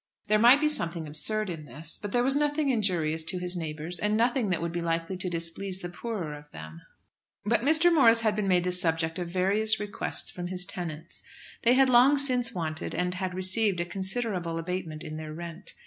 There might be something absurd in this, but there was nothing injurious to his neighbours, and nothing that would be likely to displease the poorer of them. But Mr. Morris had been made the subject of various requests from his tenants. They had long since wanted and had received a considerable abatement in their rent.